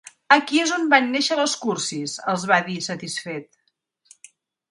Aquí és on van néixer les cursis —els va dir, satisfet—.